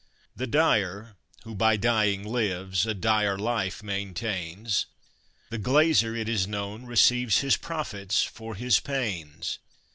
The dyer, who by dying lives, a dire life maintains; The glazier, it is known, receives his profits for his panes.